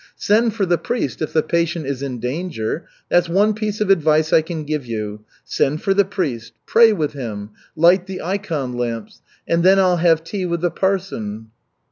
Send for the priest if the patient is in danger. That's one piece of advice I can give you. Send for the priest, pray with him, light the ikon lamps. And then I'll have tea with the parson."